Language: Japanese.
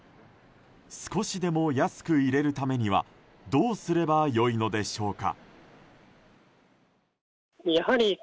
少しでも安く入れるためにはどうすればよいのでしょうか。